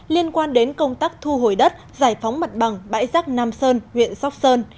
liên quan đến công tác thu hồi đất giải phóng mặt bằng bãi rác nam sơn huyện sóc sơn